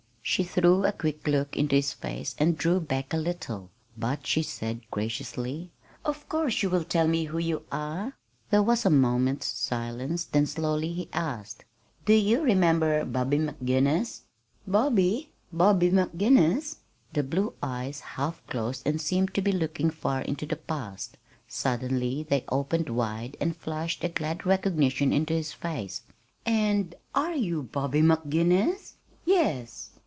She threw a quick look into his face and drew back a little; but she said graciously: "Of course you will tell me who you are." There was a moment's silence, then slowly he asked: "Do you remember Bobby McGinnis?" "Bobby? Bobby McGinnis?" The blue eyes half closed and seemed to be looking far into the past. Suddenly they opened wide and flashed a glad recognition into his face. "And are you Bobby McGinnis?" "Yes."